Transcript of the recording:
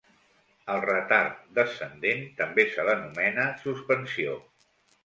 Al retard descendent també se l'anomena suspensió.